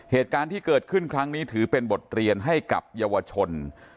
เหตุการณ์ที่เกิดขึ้นครั้งนี้ถือเป็นบทเรียนให้กับเยาวชน